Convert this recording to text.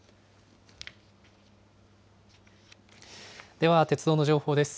では、鉄道の情報です。